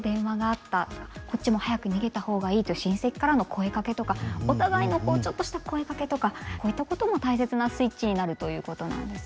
「こっちも早く逃げた方がいいと親戚からの声かけ」とかお互いのちょっとした声かけとかこういったことも大切なスイッチになるということなんですよね。